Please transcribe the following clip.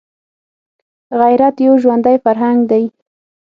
غیرت یو ژوندی فرهنګ دی